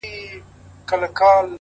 دا خواست د مړه وجود دی؛ داسي اسباب راکه؛